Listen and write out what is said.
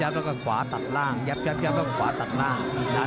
แล้วก็ขวาตัดล่างยับแล้วขวาตัดล่าง